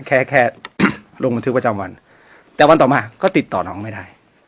แค่แค่ลงบันทึกประจำวันแต่วันต่อมาก็ติดต่อน้องไม่ได้